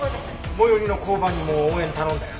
最寄りの交番にも応援頼んだよ。